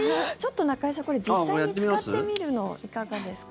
中居さん、実際に使ってみるのはいかがですか？